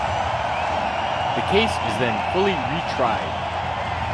The case is then fully retried.